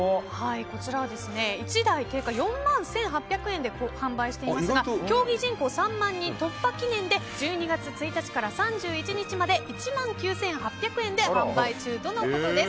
１台数定価が４万１８００円で販売していますが競技人口３万人突破記念で１２月１日から３１日まで１万９８００円で販売中とのことです。